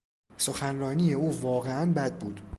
سخنرانی او واقعا بد بود.